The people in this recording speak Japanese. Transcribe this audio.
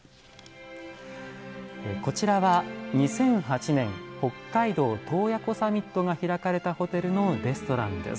こちらは２００８年北海道洞爺湖サミットが開かれたホテルのレストランです。